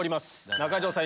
中条さん